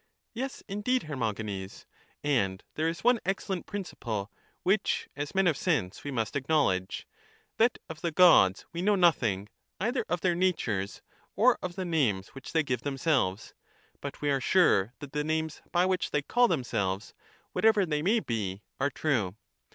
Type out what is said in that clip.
Yes, indeed, Hermogenes ; and there is one excellent principle which, as men of sense, we must acknowledge, — that of the Gods we know nothing, either of their natures or of the names which they give themselves ; but we are sure that the names by which they call themselves, whatever they may be, are true.